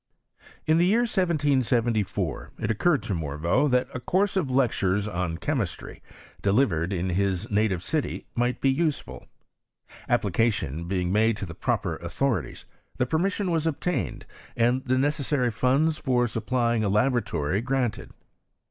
In the year 1774 it occurred to Morveau, that a course of lectures on chemistry, delivered in his na tive city, might be useful. Application being made to the proper authorities, the permission was obtain* ed, and the necessary funds for supplying a labora tory granted.